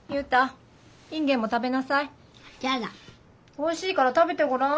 おいしいから食べてごらん。